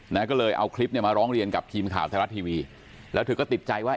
นะก็เลยเอาคลิปเนี่ยมาร้องเรียนกับทีมข่าวไทยรัฐทีวีแล้วเธอก็ติดใจว่า